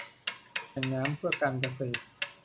แหล่งน้ำเพื่อการเกษตร